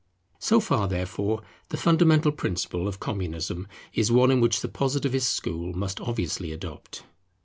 So far, therefore, the fundamental principle of Communism is one which the Positivist school must obviously adopt.